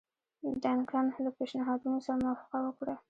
ډنکن له پېشنهادونو سره موافقه وکړه.